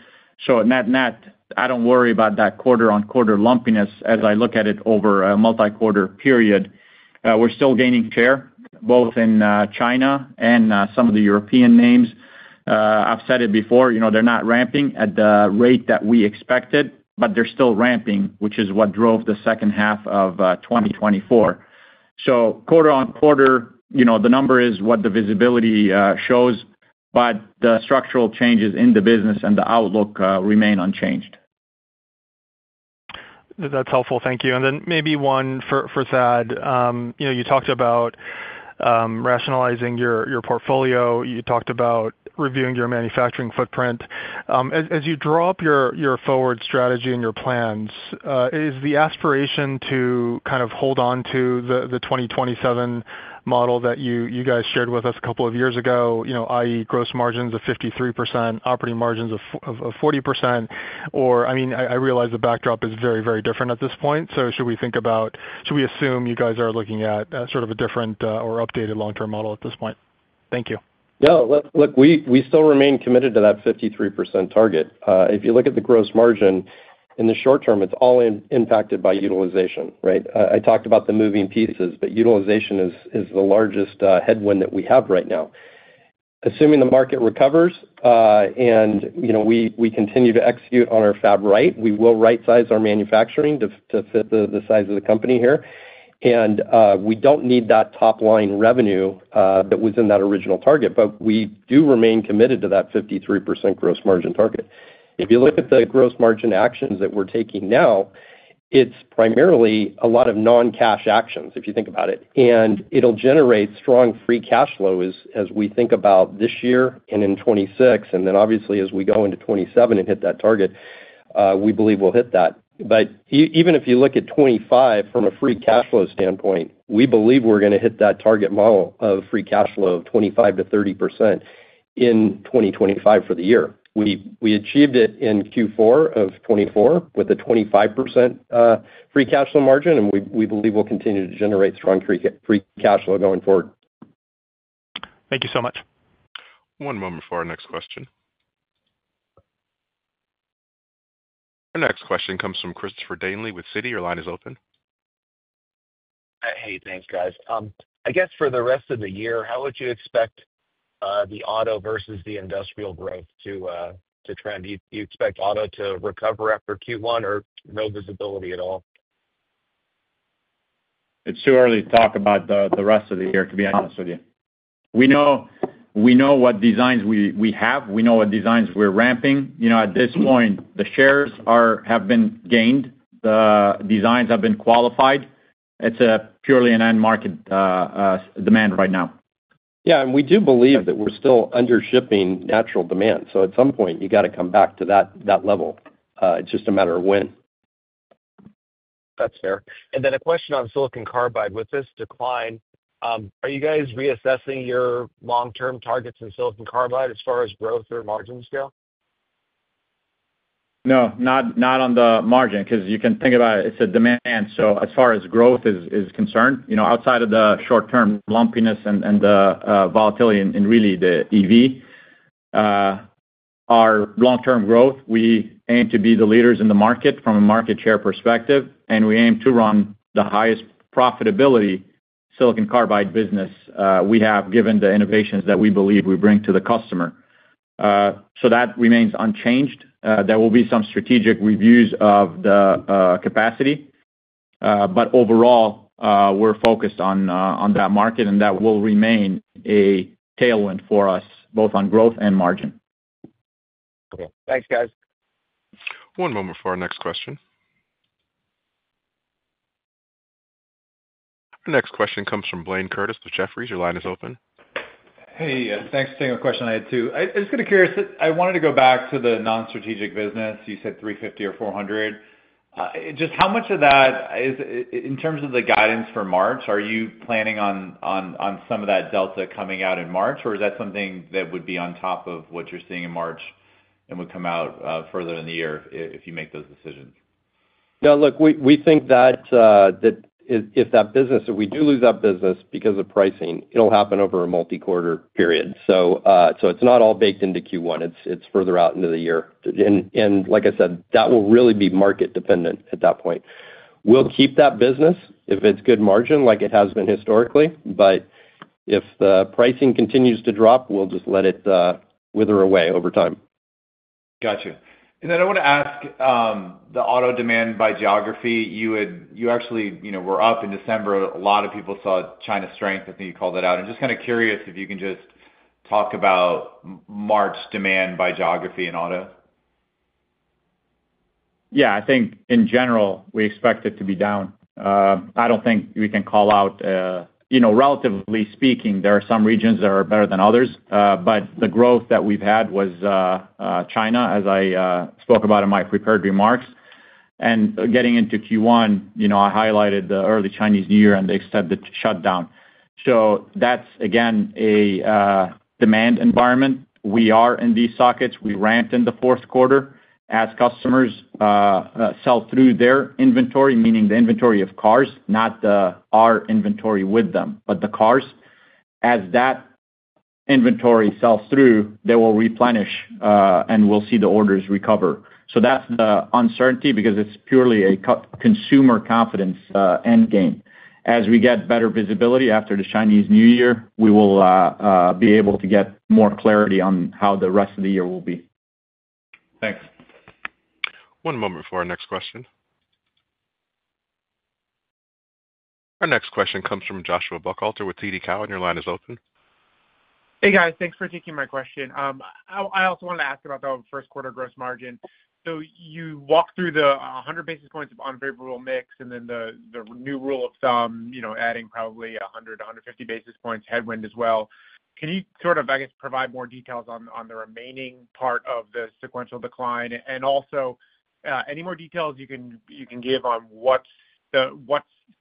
Speaker 3: So net-net, I don't worry about that quarter-on-quarter lumpiness as I look at it over a multi-quarter period. We're still gaining share both in China and some of the European names. I've said it before, you know, they're not ramping at the rate that we expected, but they're still ramping, which is what drove the second half of 2024. So quarter-on-quarter, you know, the number is what the visibility shows, but the structural changes in the business and the outlook remain unchanged.
Speaker 7: That's helpful. Thank you. And then maybe one for Thad. You talked about rationalizing your portfolio. You talked about reviewing your manufacturing footprint. As you draw up your forward strategy and your plans, is the aspiration to kind of hold on to the 2027 model that you guys shared with us a couple of years ago, you know, i.e., gross margins of 53%, operating margins of 40%? Or, I mean, I realize the backdrop is very, very different at this point, so should we think about, should we assume you guys are looking at sort of a different or updated long-term model at this point? Thank you.
Speaker 4: No, look, we still remain committed to that 53% target. If you look at the gross margin, in the short term, it's all impacted by utilization, right? I talked about the moving pieces, but utilization is the largest headwind that we have right now. Assuming the market recovers and we continue to execute on our Fab Right, we will right-size our manufacturing to fit the size of the company here. And we don't need that top-line revenue that was in that original target, but we do remain committed to that 53% gross margin target. If you look at the gross margin actions that we're taking now, it's primarily a lot of non-cash actions, if you think about it. And it'll generate strong free cash flow as we think about this year and in 2026, and then obviously as we go into 2027 and hit that target, we believe we'll hit that. But even if you look at 2025 from a free cash flow standpoint, we believe we're going to hit that target model of free cash flow of 25%-30% in 2025 for the year. We achieved it in Q4 of 2024 with a 25% free cash flow margin, and we believe we'll continue to generate strong free cash flow going forward.
Speaker 7: Thank you so much.
Speaker 1: One moment for our next question. Our next question comes from Christopher Danely with Citi. Your line is open.
Speaker 8: Hey, thanks, guys. I guess for the rest of the year, how would you expect the auto versus the industrial growth to trend? Do you expect auto to recover after Q1 or no visibility at all?
Speaker 3: It's too early to talk about the rest of the year, to be honest with you. We know what designs we have. We know what designs we're ramping. You know, at this point, the shares have been gained. The designs have been qualified. It's purely an end market demand right now.
Speaker 4: Yeah, and we do believe that we're still undershipping natural demand. So at some point, you got to come back to that level. It's just a matter of when.
Speaker 8: That's fair. And then a question on silicon carbide with this decline. Are you guys reassessing your long-term targets in silicon carbide as far as growth or margin scale?
Speaker 3: No, not on the margin because you can think about it. It's a demand. So as far as growth is concerned, you know, outside of the short-term lumpiness and the volatility in really the EV, our long-term growth, we aim to be the leaders in the market from a market share perspective, and we aim to run the highest profitability silicon carbide business we have given the innovations that we believe we bring to the customer. So that remains unchanged. There will be some strategic reviews of the capacity, but overall, we're focused on that market, and that will remain a tailwind for us both on growth and margin.
Speaker 8: Thanks, guys.
Speaker 1: One moment for our next question. Our next question comes from Blaine Curtis with Jefferies. Your line is open.
Speaker 9: Hey, thanks for taking the question I had too. I was kind of curious. I wanted to go back to the non-strategic business. You said 350 or 400. Just how much of that, in terms of the guidance for March, are you planning on some of that delta coming out in March, or is that something that would be on top of what you're seeing in March and would come out further in the year if you make those decisions?
Speaker 3: No, look, we think that if that business, if we do lose that business because of pricing, it'll happen over a multi-quarter period. So it's not all baked into Q1. It's further out into the year, and like I said, that will really be market dependent at that point. We'll keep that business if it's good margin, like it has been historically, but if the pricing continues to drop, we'll just let it wither away over time.
Speaker 9: Gotcha. And then I want to ask the auto demand by geography. You actually were up in December. A lot of people saw China strength, I think you called it out. I'm just kind of curious if you can just talk about March demand by geography in auto.
Speaker 3: Yeah, I think in general, we expect it to be down. I don't think we can call out, you know, relatively speaking, there are some regions that are better than others, but the growth that we've had was China, as I spoke about in my prepared remarks. And getting into Q1, you know, I highlighted the early Chinese New Year and the extended shutdown. So that's, again, a demand environment. We are in these sockets. We ramped in the fourth quarter as customers sell through their inventory, meaning the inventory of cars, not our inventory with them, but the cars. As that inventory sells through, they will replenish and we'll see the orders recover. So that's the uncertainty because it's purely a consumer confidence end game. As we get better visibility after the Chinese New Year, we will be able to get more clarity on how the rest of the year will be.
Speaker 9: Thanks.
Speaker 1: One moment for our next question. Our next question comes from Joshua Buchalter with TD Cowen. Your line is open.
Speaker 10: Hey, guys. Thanks for taking my question. I also wanted to ask about the first quarter gross margin. So you walked through the 100 basis points of unfavorable mix and then the new rule of thumb, you know, adding probably 100-150 basis points headwind as well. Can you sort of, I guess, provide more details on the remaining part of the sequential decline? And also any more details you can give on what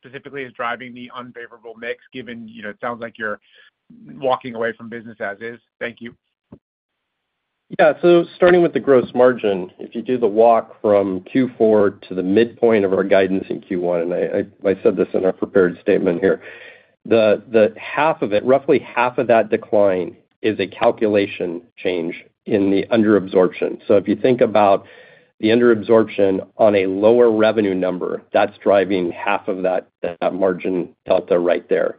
Speaker 10: specifically is driving the unfavorable mix given, you know, it sounds like you're walking away from business as is. Thank you.
Speaker 4: Yeah, so starting with the gross margin, if you do the walk from Q4 to the midpoint of our guidance in Q1, and I said this in our prepared statement here, the half of it, roughly half of that decline is a calculation change in the underabsorption. So if you think about the underabsorption on a lower revenue number, that's driving half of that margin delta right there.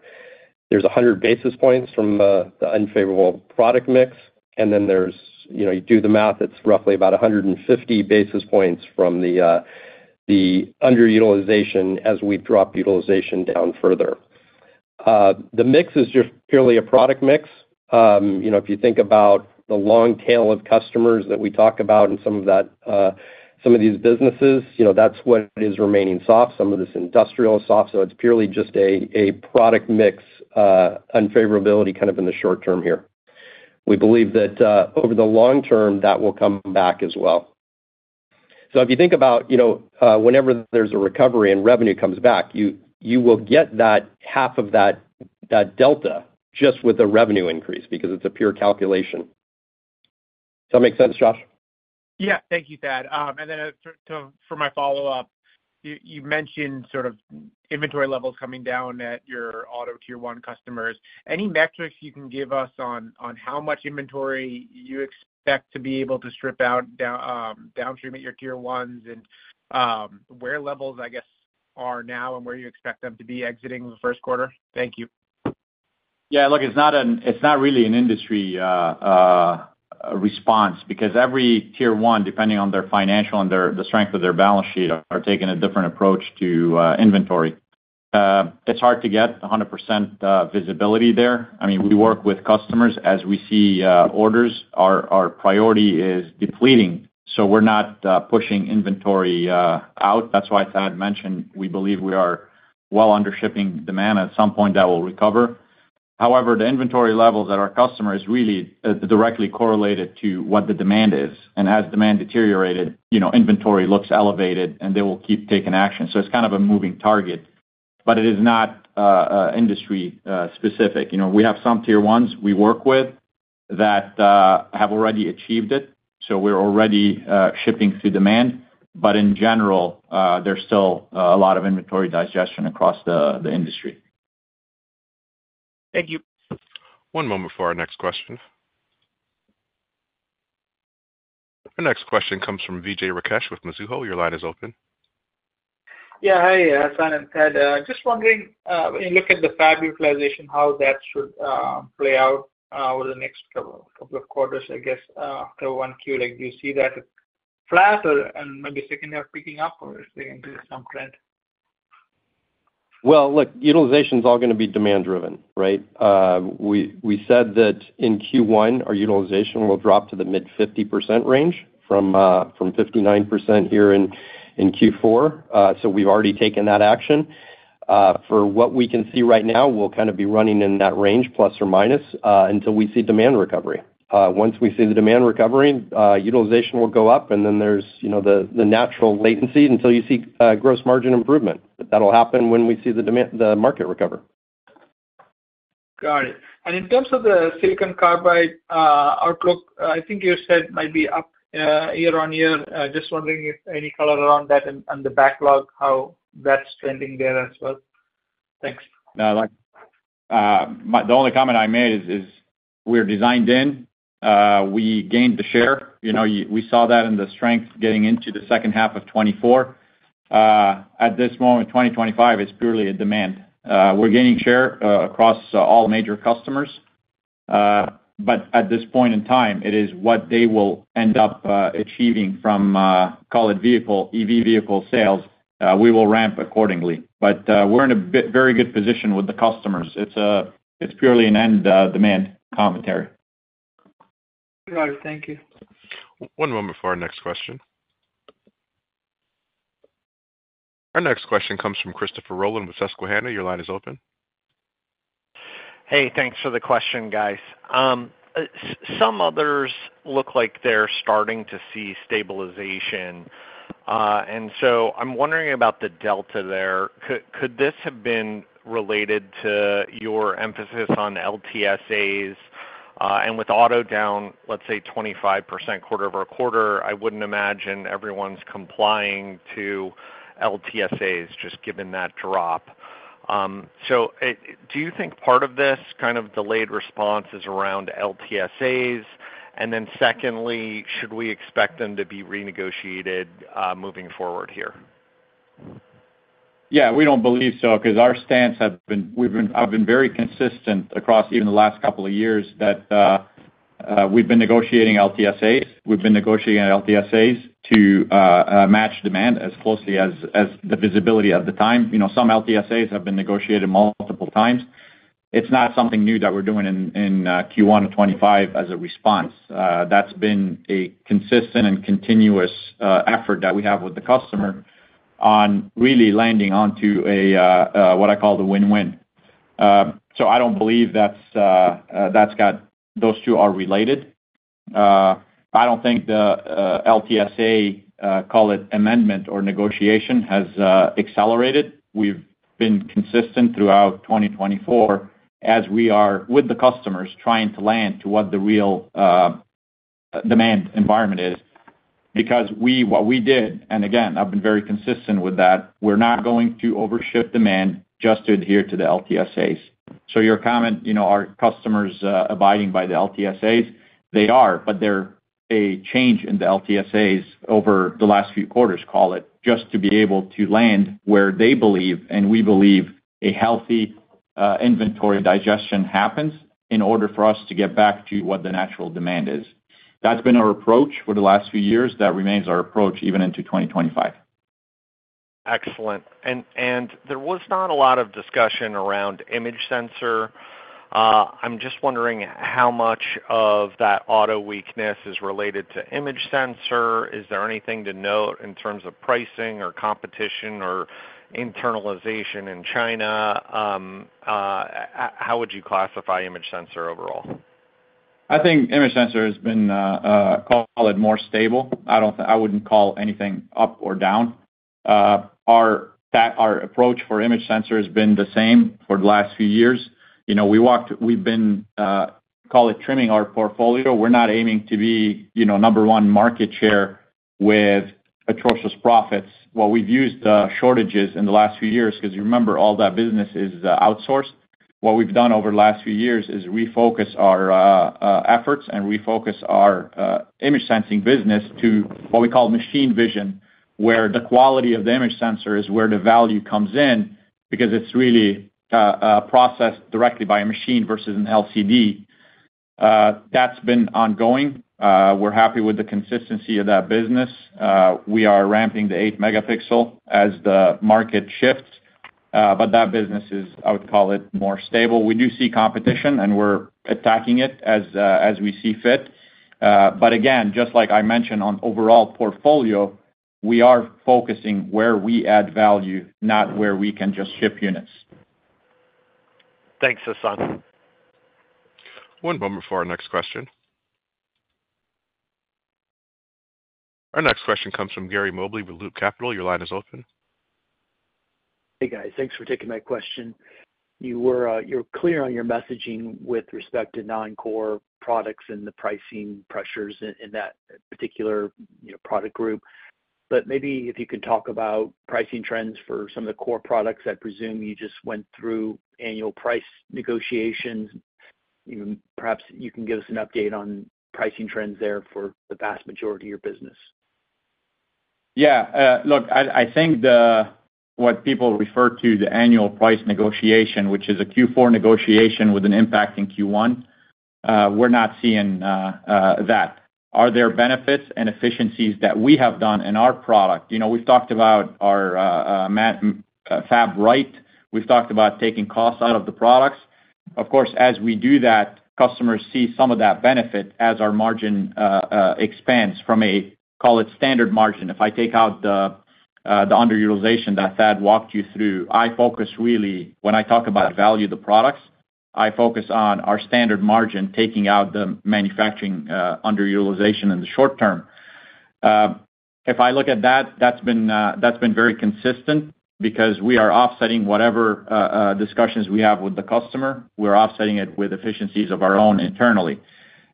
Speaker 4: There's 100 basis points from the unfavorable product mix, and then there's, you know, you do the math, it's roughly about 150 basis points from the underutilization as we drop utilization down further. The mix is just purely a product mix. You know, if you think about the long tail of customers that we talk about and some of these businesses, you know, that's what is remaining soft. Some of this industrial is soft, so it's purely just a product mix unfavorability kind of in the short term here. We believe that over the long term, that will come back as well. So if you think about, you know, whenever there's a recovery and revenue comes back, you will get that half of that delta just with a revenue increase because it's a pure calculation. Does that make sense, Josh?
Speaker 10: Yeah, thank you, Thad. And then for my follow-up, you mentioned sort of inventory levels coming down at your auto Tier 1 customers. Any metrics you can give us on how much inventory you expect to be able to strip out, downstream at your Tier 1s and where levels, I guess, are now and where you expect them to be exiting the first quarter? Thank you.
Speaker 3: Yeah, look, it's not really an industry response because every Tier 1, depending on their financial and the strength of their balance sheet, are taking a different approach to inventory. It's hard to get 100% visibility there. I mean, we work with customers as we see orders. Our priority is depleting, so we're not pushing inventory out. That's why Thad mentioned we believe we are well under shipping demand. At some point, that will recover. However, the inventory levels at our customers really directly correlated to what the demand is. And as demand deteriorated, you know, inventory looks elevated and they will keep taking action. So it's kind of a moving target, but it is not industry specific. You know, we have some Tier 1s we work with that have already achieved it, so we're already shipping through demand. But in general, there's still a lot of inventory digestion across the industry.
Speaker 10: Thank you.
Speaker 1: One moment for our next question. Our next question comes from Vijay Rakesh with Mizuho. Your line is open.
Speaker 11: Yeah, hi. Thad, just wondering, when you look at the fab utilization, how that should play out over the next couple of quarters, I guess, after one Q, like do you see that it's flat or maybe second half picking up or is there going to be some trend?
Speaker 4: Well, look, utilization is all going to be demand driven, right? We said that in Q1, our utilization will drop to the mid-50% range from 59% here in Q4. So we've already taken that action. For what we can see right now, we'll kind of be running in that range plus or minus until we see demand recovery. Once we see the demand recovery, utilization will go up and then there's, you know, the natural latency until you see gross margin improvement. That'll happen when we see the market recover.
Speaker 11: Got it. And in terms of the silicon carbide outlook, I think you said might be up year on year. Just wondering if any color around that and the backlog, how that's trending there as well. Thanks.
Speaker 3: No, I like it. The only comment I made is we're designed in. We gained the share. You know, we saw that in the strength getting into the second half of 2024. At this moment, 2025 is purely a demand. We're gaining share across all major customers. But at this point in time, it is what they will end up achieving from, call it vehicle, EV vehicle sales. We will ramp accordingly. But we're in a very good position with the customers. It's purely an end demand commentary.
Speaker 11: All right, thank you.
Speaker 1: One moment for our next question. Our next question comes from Christopher Rolland with Susquehanna. Your line is open.
Speaker 12: Hey, thanks for the question, guys. Some others look like they're starting to see stabilization. And so I'm wondering about the delta there. Could this have been related to your emphasis on LTSAs? And with auto down, let's say 25% quarter-over-quarter, I wouldn't imagine everyone's complying to LTSAs just given that drop. So do you think part of this kind of delayed response is around LTSAs? And then secondly, should we expect them to be renegotiated moving forward here?
Speaker 3: Yeah, we don't believe so because our stance has been. I've been very consistent across even the last couple of years that we've been negotiating LTSAs. We've been negotiating LTSAs to match demand as closely as the visibility of the time. You know, some LTSAs have been negotiated multiple times. It's not something new that we're doing in Q1 of 2025 as a response. That's been a consistent and continuous effort that we have with the customer on really landing onto what I call the win-win. So I don't believe that's got those two are related. I don't think the LTSA, call it amendment or negotiation, has accelerated. We've been consistent throughout 2024 as we are with the customers trying to land to what the real demand environment is because what we did, and again, I've been very consistent with that, we're not going to overship demand just to adhere to the LTSAs. So your comment, you know, are customers abiding by the LTSAs? They are, but there's a change in the LTSAs over the last few quarters, call it, just to be able to land where they believe and we believe a healthy inventory digestion happens in order for us to get back to what the natural demand is. That's been our approach for the last few years that remains our approach even into 2025.
Speaker 12: Excellent. And there was not a lot of discussion around image sensor. I'm just wondering how much of that auto weakness is related to image sensor. Is there anything to note in terms of pricing or competition or internalization in China? How would you classify image sensor overall?
Speaker 3: I think image sensor has been, call it, more stable. I wouldn't call anything up or down. Our approach for image sensor has been the same for the last few years. You know, we've been, call it, trimming our portfolio. We're not aiming to be, you know, number one market share with atrocious profits. What we've used shortages in the last few years because you remember all that business is outsourced. What we've done over the last few years is refocus our efforts and refocus our image sensing business to what we call machine vision, where the quality of the image sensor is where the value comes in because it's really processed directly by a machine versus an LCD. That's been ongoing. We're happy with the consistency of that business. We are ramping the 8 megapixel as the market shifts, but that business is, I would call it, more stable. We do see competition and we're attacking it as we see fit, but again, just like I mentioned on overall portfolio, we are focusing where we add value, not where we can just ship units.
Speaker 12: Thanks, Hassane
Speaker 1: One moment for our next question. Our next question comes from Gary Mobley with Loop Capital. Your line is open.
Speaker 13: Hey, guys. Thanks for taking my question. You were clear on your messaging with respect to non-core products and the pricing pressures in that particular product group. But maybe if you could talk about pricing trends for some of the core products, I presume you just went through annual price negotiations. Perhaps you can give us an update on pricing trends there for the vast majority of your business.
Speaker 3: Yeah. Look, I think what people refer to the annual price negotiation, which is a Q4 negotiation with an impact in Q1, we're not seeing that. Are there benefits and efficiencies that we have done in our product? You know, we've talked about our Fab Right. We've talked about taking costs out of the products. Of course, as we do that, customers see some of that benefit as our margin expands from a, call it standard margin. If I take out the underutilization that Thad walked you through, I focus really, when I talk about value of the products, I focus on our standard margin taking out the manufacturing underutilization in the short term. If I look at that, that's been very consistent because we are offsetting whatever discussions we have with the customer. We're offsetting it with efficiencies of our own internally.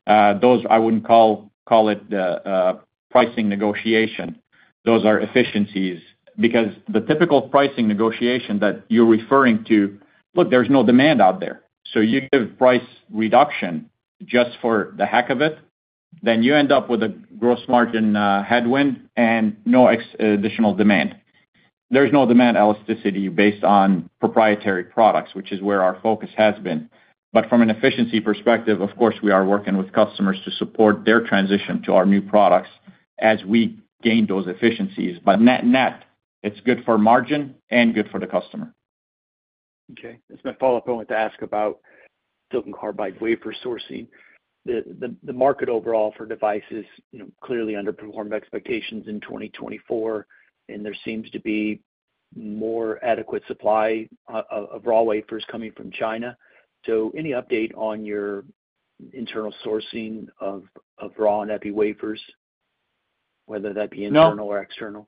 Speaker 3: Those, I wouldn't call it pricing negotiation. Those are efficiencies because the typical pricing negotiation that you're referring to, look, there's no demand out there. So you give price reduction just for the heck of it, then you end up with a gross margin headwind and no additional demand. There's no demand elasticity based on proprietary products, which is where our focus has been. But from an efficiency perspective, of course, we are working with customers to support their transition to our new products as we gain those efficiencies. But net, it's good for margin and good for the customer.
Speaker 13: Okay. It's my follow-up point to ask about silicon carbide wafer sourcing. The market overall for devices clearly underperformed expectations in 2024, and there seems to be more adequate supply of raw wafers coming from China. So any update on your internal sourcing of raw and epi wafers, whether that be internal or external?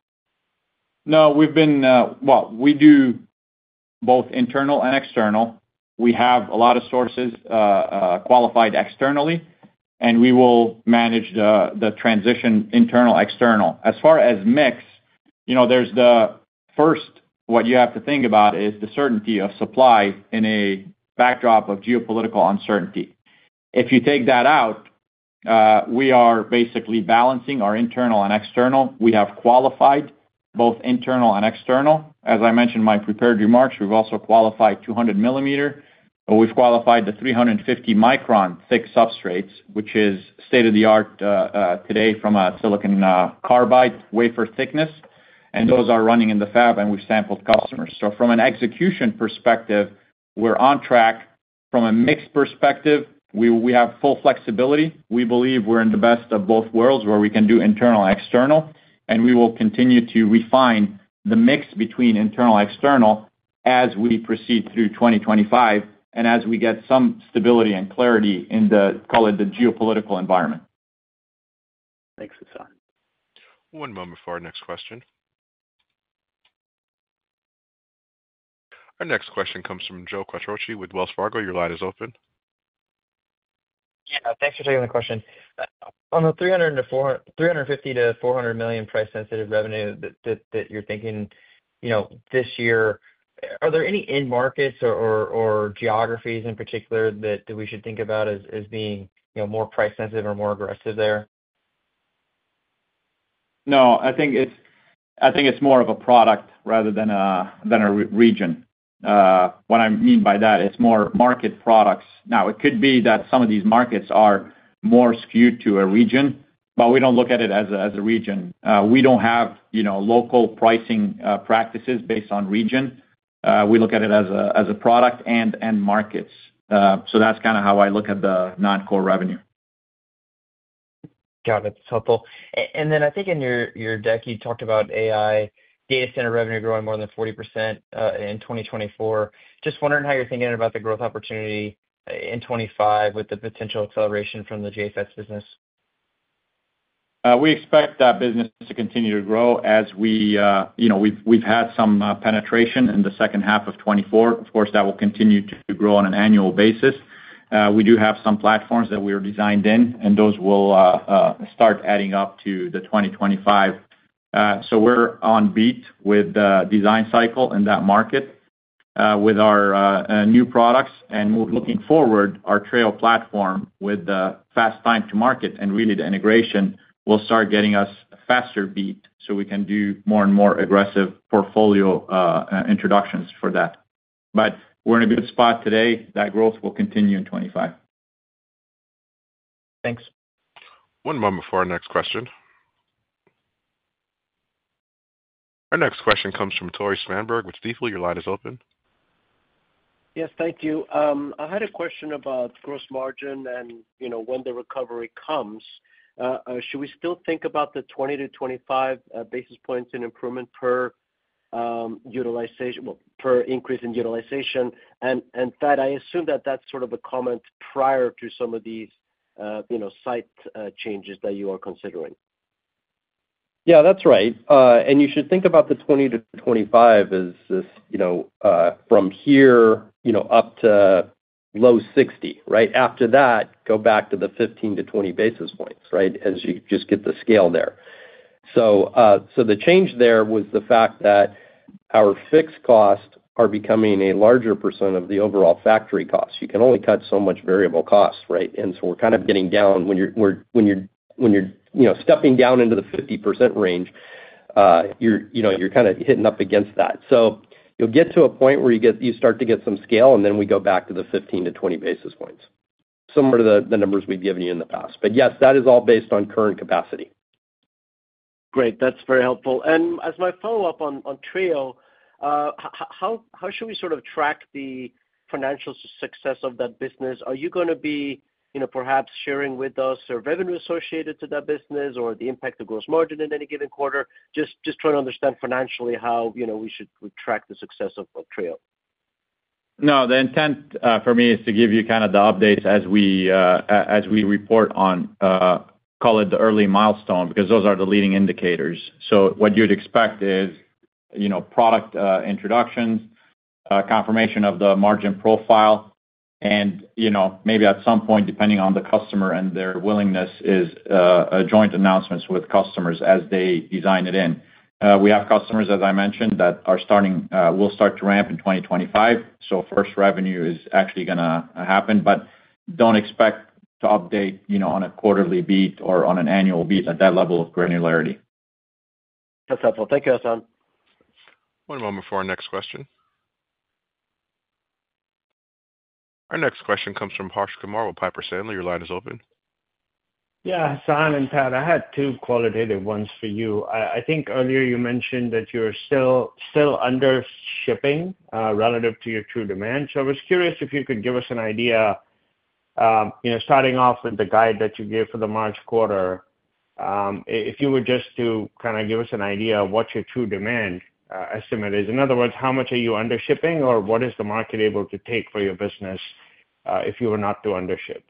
Speaker 3: No. We've been, well, we do both internal and external. We have a lot of sources qualified externally, and we will manage the transition internal, external. As far as mix, you know, there's the first, what you have to think about is the certainty of supply in a backdrop of geopolitical uncertainty. If you take that out, we are basically balancing our internal and external. We have qualified both internal and external. As I mentioned in my prepared remarks, we've also qualified 200 millimeter. We've qualified the 350 micron thick substrates, which is state of the art today from a silicon carbide wafer thickness. And those are running in the fab, and we've sampled customers. So from an execution perspective, we're on track. From a mix perspective, we have full flexibility. We believe we're in the best of both worlds where we can do internal and external. We will continue to refine the mix between internal and external as we proceed through 2025 and as we get some stability and clarity in the, call it the geopolitical environment.
Speaker 13: Thanks, Hassane.
Speaker 1: One moment for our next question. Our next question comes from Joe Quatrochi with Wells Fargo. Your line is open.
Speaker 14: Yeah. Thanks for taking the question. On the $350 million-$400 million price-sensitive revenue that you're thinking, you know, this year, are there any end markets or geographies in particular that we should think about as being more price-sensitive or more aggressive there?
Speaker 3: No, I think it's more of a product rather than a region. What I mean by that is more market products. Now, it could be that some of these markets are more skewed to a region, but we don't look at it as a region. We don't have local pricing practices based on region. We look at it as a product and markets. So that's kind of how I look at the non-core revenue.
Speaker 14: Got it. That's helpful. And then I think in your deck, you talked about AI data center revenue growing more than 40% in 2024. Just wondering how you're thinking about the growth opportunity in 2025 with the potential acceleration from the JFET business.
Speaker 3: We expect that business to continue to grow as we, you know, we've had some penetration in the second half of 2024. Of course, that will continue to grow on an annual basis. We do have some platforms that we are designed in, and those will start adding up to the 2025. So we're on beat with the design cycle in that market with our new products. And we're looking forward, our Treo platform with the fast time to market and really the integration will start getting us a faster beat so we can do more and more aggressive portfolio introductions for that. But we're in a good spot today. That growth will continue in 2025.
Speaker 14: Thanks.
Speaker 1: One moment for our next question. Our next question comes from Tore Svanberg with Stifel. Your line is open.
Speaker 15: Yes, thank you. I had a question about gross margin and, you know, when the recovery comes. Should we still think about the 20-25 basis points in improvement per utilization, well, per increase in utilization? And Thad, I assume that that's sort of a comment prior to some of these, you know, site changes that you are considering.
Speaker 4: Yeah, that's right. And you should think about the 20-25 as this, you know, from here, you know, up to low 60, right? After that, go back to the 15-20 basis points, right, as you just get the scale there. So the change there was the fact that our fixed costs are becoming a larger % of the overall factory costs. You can only cut so much variable cost, right? And so we're kind of getting down when you're, you know, stepping down into the 50% range, you know, you're kind of hitting up against that. So you'll get to a point where you start to get some scale, and then we go back to the 15-20 basis points, similar to the numbers we've given you in the past. But yes, that is all based on current capacity.
Speaker 15: Great. That's very helpful. As my follow-up on Treo, how should we sort of track the financial success of that business? Are you going to be, you know, perhaps sharing with us a revenue associated to that business or the impact of gross margin in any given quarter? Just trying to understand financially how, you know, we should track the success of Treo.
Speaker 3: No, the intent for me is to give you kind of the updates as we report on, call it the early milestone, because those are the leading indicators. So what you'd expect is, you know, product introductions, confirmation of the margin profile, and, you know, maybe at some point, depending on the customer and their willingness, is joint announcements with customers as they design it in. We have customers, as I mentioned, that are starting, will start to ramp in 2025. So first revenue is actually going to happen, but don't expect to update, you know, on a quarterly beat or on an annual beat at that level of granularity.
Speaker 15: That's helpful. Thank you, Hassane.
Speaker 1: One moment for our next question. Our next question comes from Harsh Kumar with Piper Sandler. Your line is open.
Speaker 16: Yeah, Hassane and Thad, I had two qualitative ones for you. I think earlier you mentioned that you're still under shipping relative to your true demand. So I was curious if you could give us an idea, you know, starting off with the guide that you gave for the March quarter, if you were just to kind of give us an idea of what your true demand estimate is. In other words, how much are you under shipping or what is the market able to take for your business if you were not to under ship?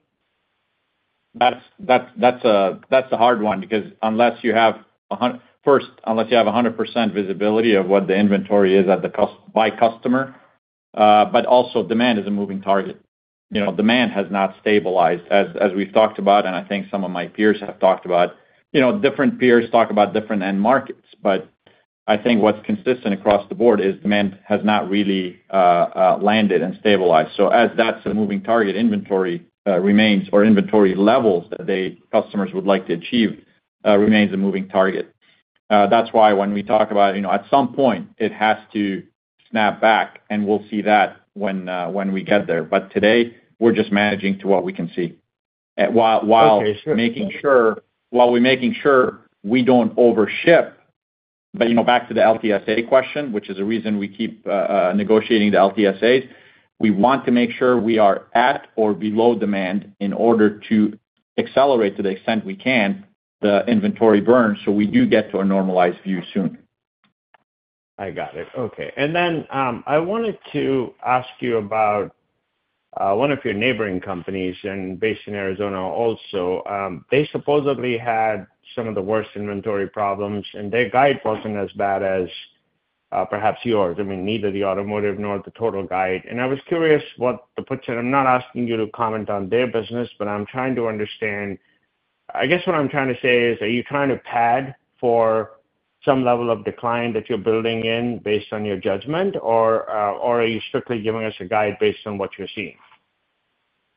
Speaker 3: That's a hard one because unless you have 100% visibility of what the inventory is by customer, but also demand is a moving target. You know, demand has not stabilized as we've talked about, and I think some of my peers have talked about, you know, different peers talk about different end markets. But I think what's consistent across the board is demand has not really landed and stabilized. So that's a moving target, inventory remains or inventory levels that customers would like to achieve remains a moving target. That's why when we talk about, you know, at some point it has to snap back, and we'll see that when we get there. But today we're just managing to what we can see while we're making sure we don't overship. But, you know, back to the LTSA question, which is a reason we keep negotiating the LTSAs. We want to make sure we are at or below demand in order to accelerate to the extent we can the inventory burn so we do get to a normalized view soon.
Speaker 16: I got it. Okay. And then I wanted to ask you about one of your neighboring companies, also based in Arizona. They supposedly had some of the worst inventory problems, and their guide wasn't as bad as perhaps yours. I mean, neither the automotive nor the total guide. And I was curious what to make of your. I'm not asking you to comment on their business, but I'm trying to understand. I guess what I'm trying to say is, are you trying to pad for some level of decline that you're building in based on your judgment, or are you strictly giving us a guide based on what you're seeing?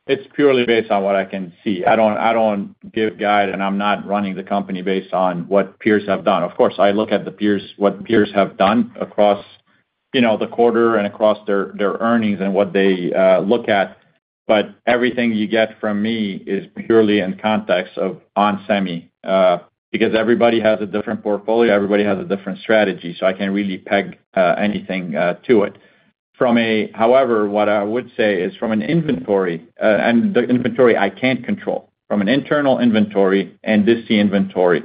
Speaker 3: It's purely based on what I can see. I don't give guidance, and I'm not running the company based on what peers have done. Of course, I look at the peers, what peers have done across, you know, the quarter and across their earnings and what they look at. But everything you get from me is purely in context of onsemi because everybody has a different portfolio. Everybody has a different strategy. So I can't really peg anything to it. From a, however, what I would say is from an inventory, and the inventory I can't control, from an internal inventory and this inventory.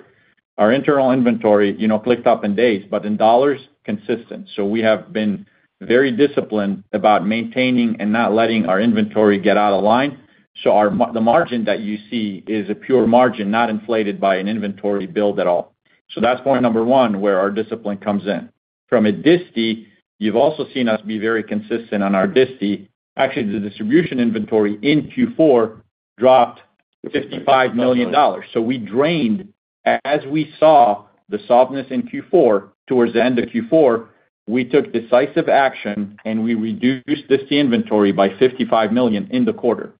Speaker 3: Our internal inventory, you know, ticked up in days, but in dollars, consistent. So we have been very disciplined about maintaining and not letting our inventory get out of line. So the margin that you see is a pure margin, not inflated by an inventory build at all. So that's point number one where our discipline comes in. From a disty, you've also seen us be very consistent on our disty. Actually, the distribution inventory in Q4 dropped $55 million. So we drained, as we saw the softness in Q4, towards the end of Q4, we took decisive action and we reduced disty inventory by $55 million in the quarter.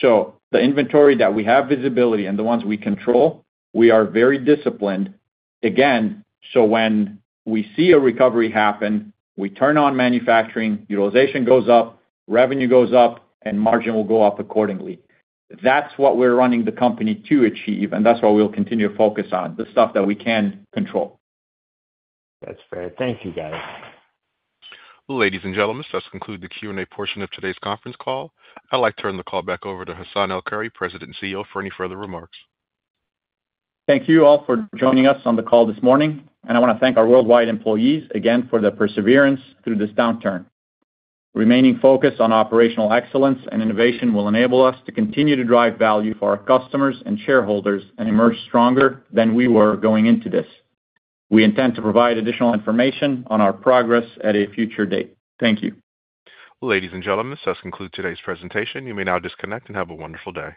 Speaker 3: So the inventory that we have visibility and the ones we control, we are very disciplined. Again, so when we see a recovery happen, we turn on manufacturing, utilization goes up, revenue goes up, and margin will go up accordingly. That's what we're running the company to achieve, and that's what we'll continue to focus on, the stuff that we can control.
Speaker 16: That's fair. Thank you, guys.
Speaker 1: Ladies and gentlemen, this does conclude the Q&A portion of today's conference call. I'd like to turn the call back over to Hassane El-Khoury, President and CEO, for any further remarks.
Speaker 3: Thank you all for joining us on the call this morning. I want to thank our worldwide employees again for their perseverance through this downturn. Remaining focused on operational excellence and innovation will enable us to continue to drive value for our customers and shareholders and emerge stronger than we were going into this. We intend to provide additional information on our progress at a future date. Thank you.
Speaker 1: Ladies and gentlemen, this does conclude today's presentation. You may now disconnect and have a wonderful day.